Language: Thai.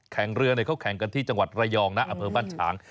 แข่งเรือเขาแข่งกันที่จังหวัดระยองนะอำเภอบ้านฉาง